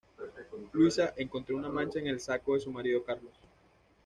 Luisa, encontró una mancha en el saco de su marido Carlos.